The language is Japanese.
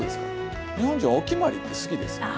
日本人は「お決まり」って好きですよね。